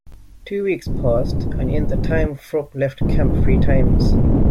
Two weeks passed, and in that time Thorpe left camp three times.